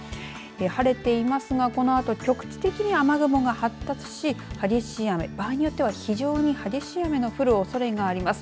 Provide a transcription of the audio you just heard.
晴れていますが、このあと局地的に雨雲が発達し激しい雨、場合によって非常に激しい雨の降るおそれがあります。